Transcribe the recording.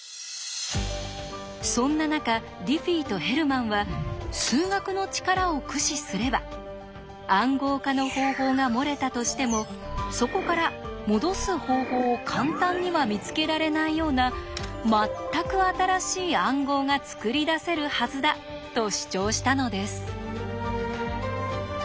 そんな中ディフィーとヘルマンは数学の力を駆使すれば「暗号化の方法」が漏れたとしてもそこから「もどす方法」を簡単には見つけられないような全く新しい暗号が作り出せるはずだ！と主張したのです。